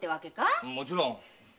もちろん。